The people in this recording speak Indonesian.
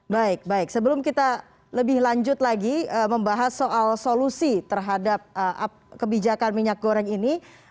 baik baik sebelum kita lebih lanjut lagi membahas soal solusi terhadap kebijakan minyak goreng ini